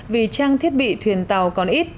vì trang thiết bị thuyền tàu còn ít